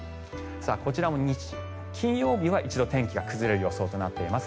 こちらも金曜日は一度天気が崩れる予想となっています。